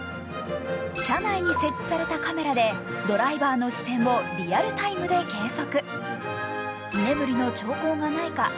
車内に設置されたカメラでドライバーの視線をリアルタイムで計測。